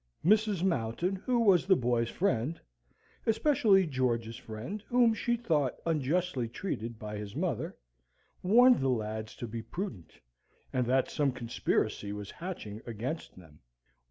Mrs. Mountain, who was the boys' friend, especially George's friend, whom she thought unjustly treated by his mother, warned the lads to be prudent, and that some conspiracy was hatching against them.